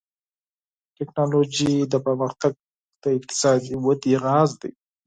ټکنالوژي پرمختګ د اقتصادي ودې راز دی.